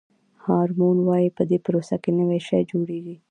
هارمون وایي په دې پروسه کې نوی شی جوړیږي.